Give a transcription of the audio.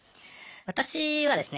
私はですね